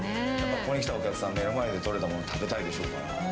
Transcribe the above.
ここに来たお客さんは、目の前で取れたもの食べたいでしょうからね。